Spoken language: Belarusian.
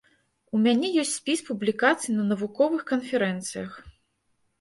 У мяне ёсць спіс публікацый на навуковых канферэнцыях.